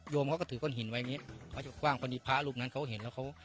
เขาก็ถือก้อนหินไว้อย่างนี้เขาจะกว้างพอดีพระรูปนั้นเขาเห็นแล้วเขา